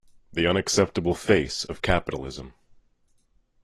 The unacceptable face of capitalism.